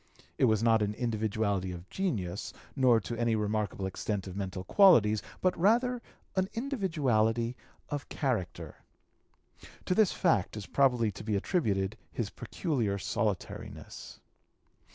It was not an individuality of genius nor to any remarkable extent of mental qualities; but rather an individuality of character. To this fact is probably to be attributed his peculiar solitariness.